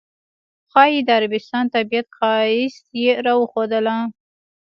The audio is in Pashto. ښایي د عربستان طبیعت ښایست یې راښودله.